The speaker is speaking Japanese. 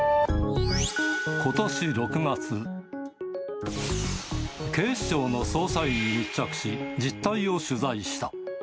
ことし６月、警視庁の捜査員に密着し、実態を取材した。